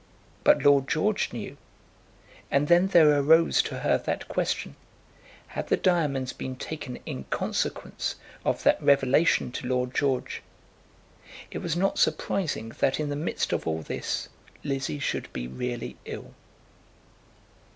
But Lord George knew. And then there arose to her that question: Had the diamonds been taken in consequence of that revelation to Lord George? It was not surprising that in the midst of all this Lizzie should be really ill.